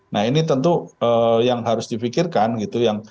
nah ini tentu yang harus dipikirkan gitu